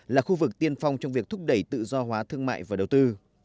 là khu vực tiên phong trong việc thúc đẩy tự do hóa thương mại và đầu tư